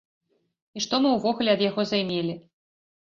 І што мы ўвогуле ад яго займелі?